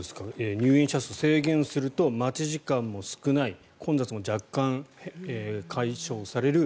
入園者数、制限すると待ち時間も少ない混雑も若干解消される。